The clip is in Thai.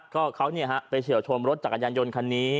ก็เขาไปเฉียวชนรถจักรยานยนต์คันนี้